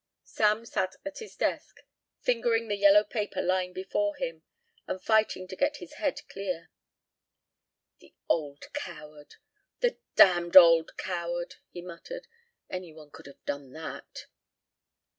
Sam sat at his desk, fingering the yellow paper lying before him and fighting to get his head clear. "The old coward. The damned old coward," he muttered; "any one could have done that."